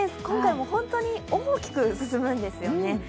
今回も本当に大きく進むんですよね。